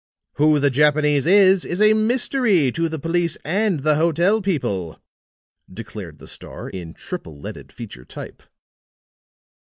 "Who the Japanese is is a mystery to the police and the hotel people," declared the Star in triple leaded feature type.